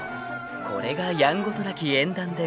［これがやんごとなき縁談でございます］